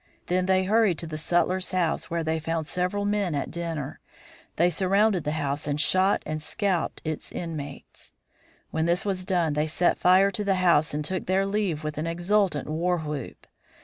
Then they hurried to the sutler's house, where they found several men at dinner; they surrounded the house and shot and scalped its inmates. When this was done they set fire to the house and took their leave with an exultant war whoop.